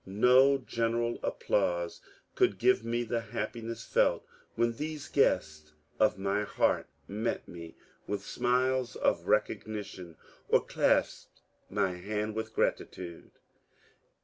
No general applause could give me the happiness felt when these guests of my heart met me with smiles of recognition, or clasped my hand with gratitude.